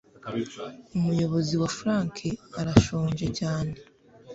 umuyobozi wa frank arashonje cyane